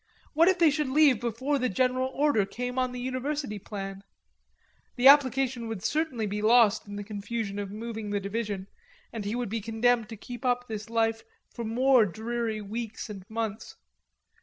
What if they should leave before the General Order came on the University plan? The application would certainly be lost in the confusion of moving the Division, and he would be condemned to keep up this life for more dreary weeks and months.